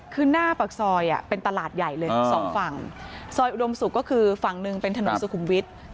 คือหน้าปากซอยเป็นตลาดใหญ่เลยสองฝั่งซอยอุดมศุกร์ก็คือฝั่งหนึ่งเป็นถนนสุขุมวิทย์